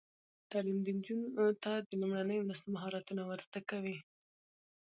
تعلیم نجونو ته د لومړنیو مرستو مهارتونه ور زده کوي.